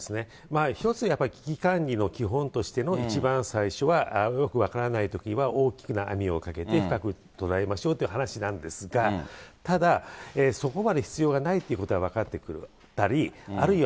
一つやっぱり危機管理の基本として、一番最初は、よく分からないときは大きな網をかけて深くとらえましょうという話なんですが、ただそこまで必要がないということが分かってきたり、あるいは